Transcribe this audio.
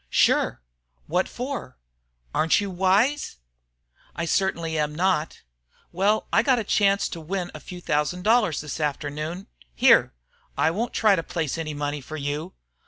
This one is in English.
"Sure." "What for?" "Aren't you wise?" "I certainly am not." "Well, I got a chance to win a few thousand this afternoon " "Here, I won't try to place any money for you."